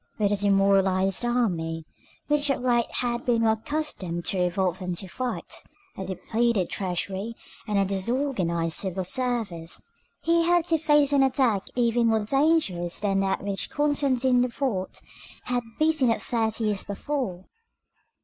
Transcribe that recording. With a demoralized army, which of late had been more accustomed to revolt than to fight, a depleted treasury, and a disorganized civil service, he had to face an attack even more dangerous than that which Constantine IV. had beaten off thirty years before.